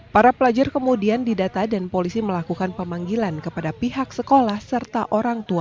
para pelajar kemudian didata dan polisi melakukan pemanggilan kepada pihak sekolah serta orang tua